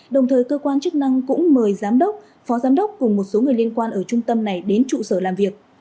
đồng thời cơ quan chức năng cũng mời giám đốc phó giám đốc cùng một số người liên quan ở trung tâm này đến trụ sở làm việc